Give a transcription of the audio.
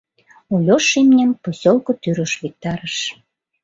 Ольош имньым посёлко тӱрыш виктарыш.